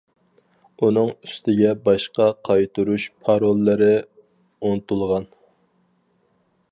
ئۇنىڭ ئۈستىگە باشقا قايتۇرۇش پاروللىرى ئۇنتۇلغان.